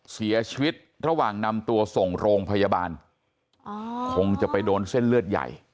เสียชีวิตระหว่างนำตัวส่งโรงพยาบาลคงจะไปโดนเส้นเลือดใหญ่